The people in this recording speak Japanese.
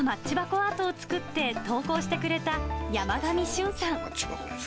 アートを作って投稿してくれた山神瞬さん。